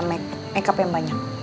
makeup yang banyak